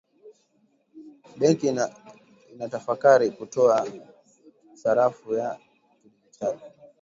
Benki inatafakari kutoa sarafu ya kidigitali